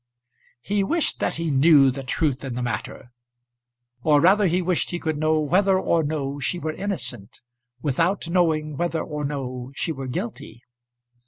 He wished that he knew the truth in the matter; or rather he wished he could know whether or no she were innocent, without knowing whether or no she were guilty.